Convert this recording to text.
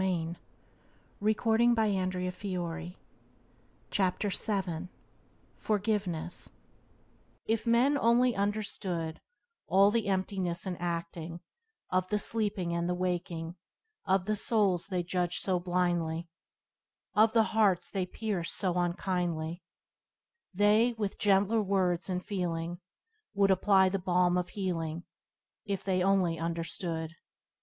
Byways to Blessedness by James Allen 35 Forgiveness "If men only understood All the emptiness and acting Of the sleeping and the waking Of the souls they judge so blindly, Of the hearts they pierce so unkindly, They, with gentler words and feeling, Would apply the balm of healing — If they only understood."